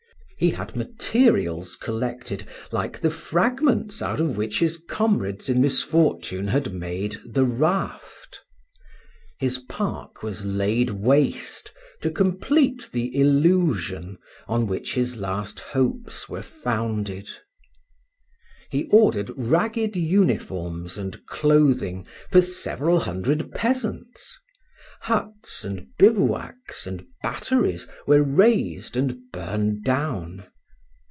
He had materials collected like the fragments out of which his comrades in misfortune had made the raft; his park was laid waste to complete the illusion on which his last hopes were founded. He ordered ragged uniforms and clothing for several hundred peasants. Huts and bivouacs and batteries were raised and burned down.